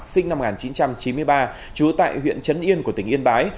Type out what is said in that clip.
sinh năm một nghìn chín trăm chín mươi ba trú tại huyện trấn yên của tỉnh yên bái